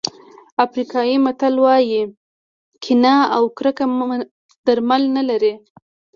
افریقایي متل وایي کینه او کرکه درمل نه لري.